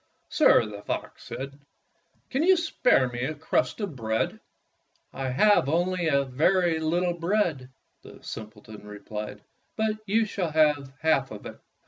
"Sir," the fox said, "can you spare me a crust of bread?" "I have only a very little bread," the simpleton replied, "but you shall have half of it."